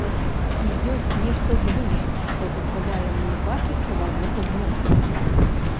І ёсць нешта звыш, што дазваляе мне бачыць чалавека знутры.